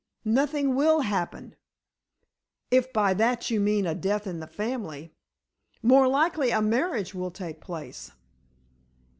"Nothing will happen—if by that you mean a death in the family. More likely a marriage will take place!"